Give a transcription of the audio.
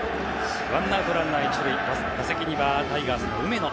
ワンアウトランナー、１塁打席にはタイガースの梅野。